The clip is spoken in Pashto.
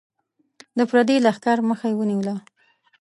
د پردي لښکر مخه یې ونیوله.